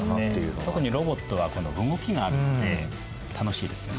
特にロボットは動きがあるので楽しいですよね。